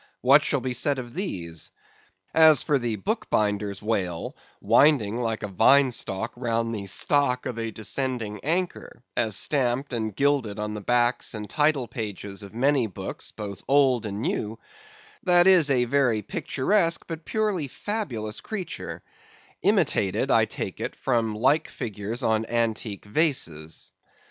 What shall be said of these? As for the book binder's whale winding like a vine stalk round the stock of a descending anchor—as stamped and gilded on the backs and title pages of many books both old and new—that is a very picturesque but purely fabulous creature, imitated, I take it, from the like figures on antique vases.